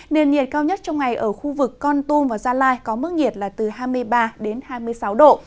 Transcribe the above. nhiệt độ cao nhất trong ngày ở khu vực con tung và gia lai có mức nhiệt là từ hai mươi ba hai mươi sáu độ